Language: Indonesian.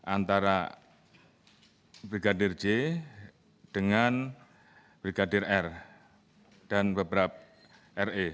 antara brigadir j dengan brigadir r dan beberapa re